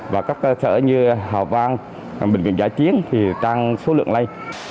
và các cơ sở như hào vang bệnh viện giải chiến thì tăng số lượng lên